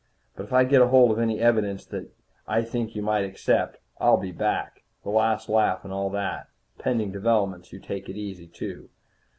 But if I get hold of any evidence that I think you might accept, I'll be back. The last laugh and all that. Pending developments you take it easy, too.